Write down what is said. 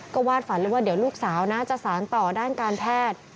ก็วาดฝันเลยว่าเดี๋ยวลูกสาวนะจะสารต่อด้านการแพทย์